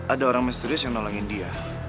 ada orang misterius yang nolongin dia